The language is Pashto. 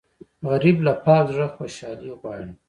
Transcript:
غریب له پاک زړه خوشالي غواړي